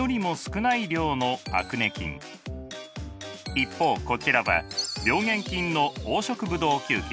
一方こちらは病原菌の黄色ブドウ球菌。